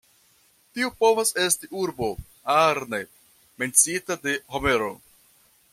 Tiu povas esti urbo "Arne", menciita de Homero.